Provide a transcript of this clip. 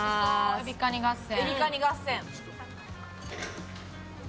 エビカニ合戦。